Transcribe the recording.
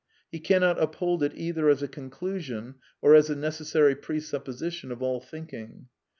He cannot uphold it either as a conclusion or as a necessary presupposition of all think ing.